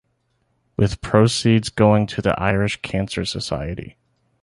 With proceeds going to The Irish Cancer Society.